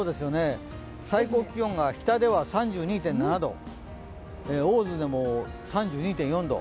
最高気温が北では３２．７度大洲でも３２．４度。